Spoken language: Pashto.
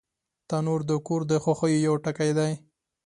تنور د کور د خوښیو یو ټکی دی